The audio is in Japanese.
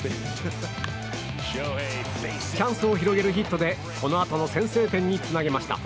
チャンスを広げるヒットでこのあとの先制点につなげました。